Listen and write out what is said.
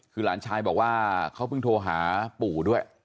คือหลานชายบอกว่าเขาเพิ่งโทรหาปู่ด้วย